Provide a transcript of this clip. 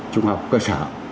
trung học cơ sở